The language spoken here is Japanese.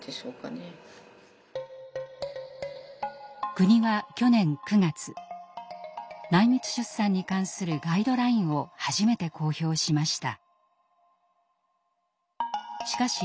国は去年９月内密出産に関するガイドラインを初めて公表しました。